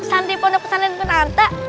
santri pondok pesantren punanta